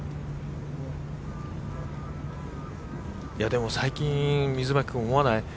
でも、最近、水巻君、思わない？